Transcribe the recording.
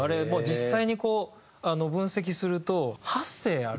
実際にこう分析すると。